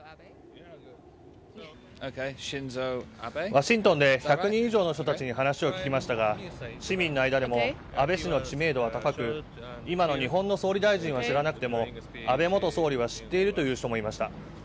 ワシントンで１００人以上の人たちに話を聞きましたが市民の間でも安倍氏の知名度は高く今の日本の総理大臣を知らなくても安倍元総理は知っているという人もいました。